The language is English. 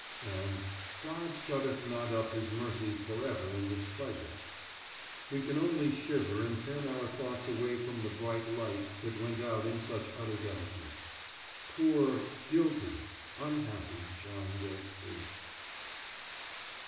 And "God shutteth not up His mercies forever in displeasure!" We can only shiver and turn our thoughts away from the bright light that went out in such utter darkness. Poor, guilty, unhappy John Wilkes Booth!